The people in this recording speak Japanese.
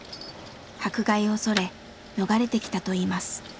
迫害を恐れ逃れてきたといいます。